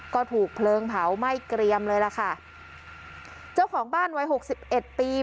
ก็ถูกเพลิงเผาไหม้เกรียมเลยล่ะค่ะเจ้าของบ้านวัยหกสิบเอ็ดปี